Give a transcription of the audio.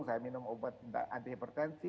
saya minum obat anti hipertensi